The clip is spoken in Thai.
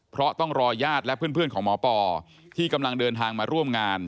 เพราะต้องรอญาติและเพื่อนของหมอปอที่กำลังเดินทางมาร่วมงาน